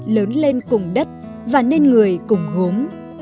lớn lên cùng đất và nên người cùng gốm